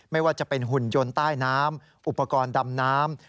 ไม่ว่าจะเป็นหุ่นยนต์ใต้น้ำอุปกรณ์ดำน้ำ